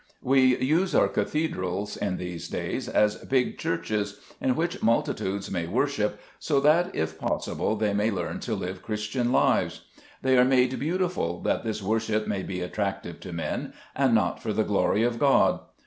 We use our cathedrals in these days as big churches, in which multitudes may worship, so that, if possible, they may learn to live Christian lives. They are made beautiful that this worship may be attractive to men, and not for the glory of God.